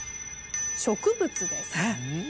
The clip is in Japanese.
植物です。